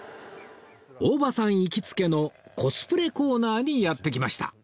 大場さん行きつけのコスプレコーナーにやって来ました